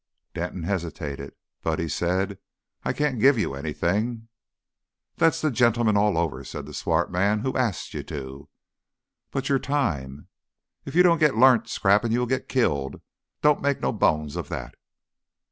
Denton hesitated. "But " he said, "I can't give you anything " "That's the ge'man all over," said the swart man. "Who arst you to?" "But your time?" "If you don't get learnt scrapping you'll get killed, don't you make no bones of that."